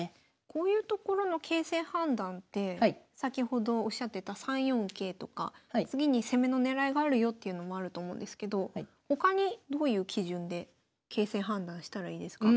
こういうところの形勢判断って先ほどおっしゃってた３四桂とか次に攻めの狙いがあるよっていうのもあると思うんですけど他にどういう基準で形勢判断したらいいですか？